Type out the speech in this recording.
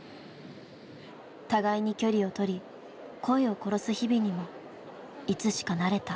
互いに距離を取り声を殺す日々にもいつしか慣れた。